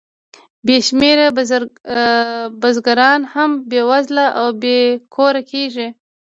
بې شمېره بزګران هم بېوزله او بې کوره کېږي